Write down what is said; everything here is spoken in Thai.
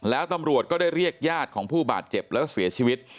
แล้วตำรวจก็ได้เรียกญาติของผู้บาดเจ็บแล้วก็เสียชีวิต